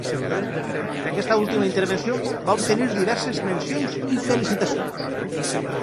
Per aquesta última intervenció, va obtenir diverses mencions i felicitacions.